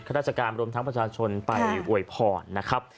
ข้าราชกรรมรมทั้งประชาชนไปอวยผ่อนนะครับ